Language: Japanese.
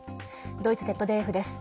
ドイツＺＤＦです。